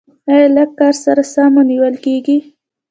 ایا لږ کار سره ساه مو نیول کیږي؟